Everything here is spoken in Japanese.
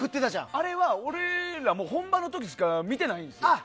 あれは俺らも本番の時にしか見てないんですよ。